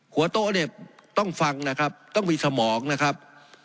หัวโต๊ะเนี่ยต้องฟังนะครับต้องมีสมองนะครับ